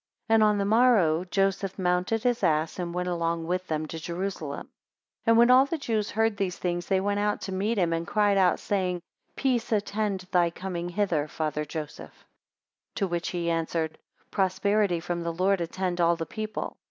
And on the morrow, Joseph mounted his ass, and went along with them to Jerusalem. 14 And when all the Jews heard these things, they went out to meet him, and cried out, saying, Peace attend thy coming hither, father Joseph. 15 To which he answered, Prosperity from the Lord attend all the people.